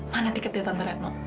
mana tiketnya tante retno